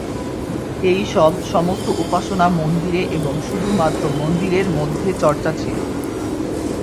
এই সব, সমস্ত উপাসনা মন্দিরে এবং শুধুমাত্র মন্দিরের মধ্যে চর্চা ছিল।